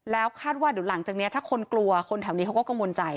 แล้วคาดว่าเดี๋ยวหลังจากนี้ถ้าคนกลัวคนแถวนี้เขาก็กังวลใจ